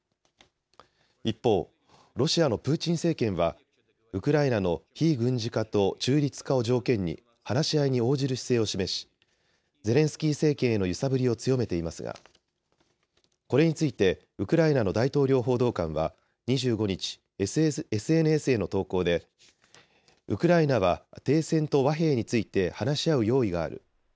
一方、ロシアのプーチン政権はウクライナの非軍事化と中立化を条件に話し合いに応じる姿勢を示しゼレンスキー政権への揺さぶりを強めていますがこれについてウクライナの大統領報道官は２５日、ＳＮＳへの投稿でウクライナは停戦と和平について話し合う用意がある。